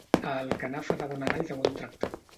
A Alcanar fa de bon anar i de bon tractar.